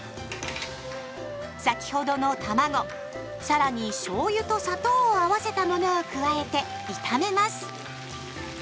先ほどのたまご更にしょうゆと砂糖を合わせたものを加えて炒めます。